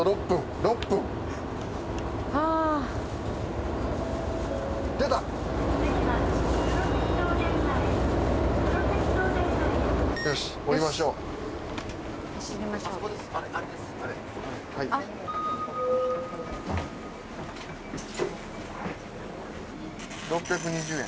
６２０円。